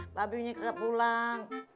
mbak beli punya kakek pulang